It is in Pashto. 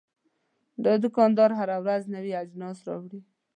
دا دوکاندار هره ورځ نوي اجناس راوړي.